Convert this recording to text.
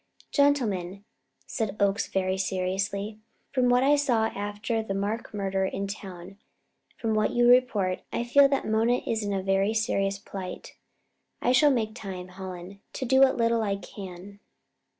"Gentlemen," said Oakes very seriously, "from what I saw after the Mark murder in town and from what you report, I feel that Mona is in a very serious plight. I shall make time, Hallen, to do what little I can."